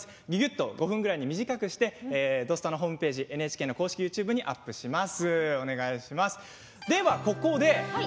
ぎゅぎゅっと５分くらいに短くして「土スタ」のホームページやＮＨＫ公式ＹｏｕＴｕｂｅにアップします。